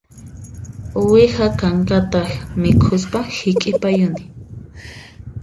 Uwiha kankata mikhuspa hiq'ipayuni